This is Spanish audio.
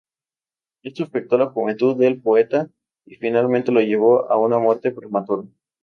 Esto afectó la juventud del poeta y finalmente lo llevó a una muerte prematura.